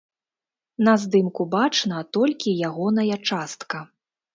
На здымку бачна толькі ягоная частка.